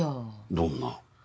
どんな？